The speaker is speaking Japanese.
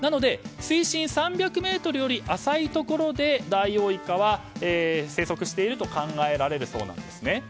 水深３００ｍより浅いところでダイオウイカは生息していると考えられるそうなんですね。